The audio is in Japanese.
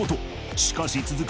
しかし続く